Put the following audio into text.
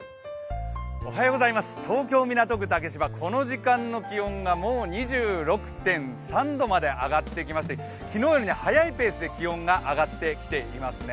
東京・港区竹芝、この時間の気温がもう２６．３度まで上がってきまして、昨日より早いペースで気温が上がってきていますね。